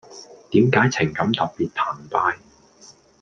點解情感特別澎湃⠀